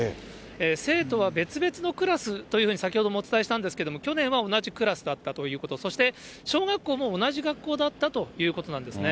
生徒は別々のクラスというふうに、先ほどもお伝えしたんですけれども、去年は同じクラスだったということ、そして、小学校も同じ学校だったということなんですね。